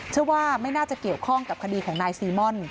เชื่อว่าไม่น่าจะเกี่ยวข้องกับคดีของนายซีม่อน